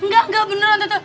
nggak nggak beneran tante